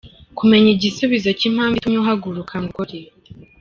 Kumenya igisubizo cy’impamvu itumye uhaguruka ngo ukore.